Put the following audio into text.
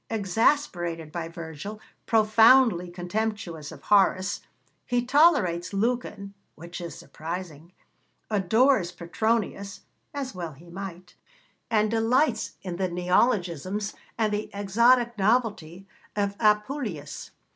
Exasperated by Virgil, profoundly contemptuous of Horace, he tolerates Lucan (which is surprising), adores Petronius (as well he might), and delights in the neologisms and the exotic novelty of Apuleius.